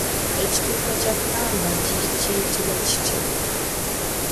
Ekituttwa kya ppamba kiyitibwa kitya?